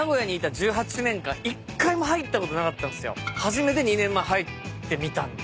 初めて２年前入ってみたんですよ。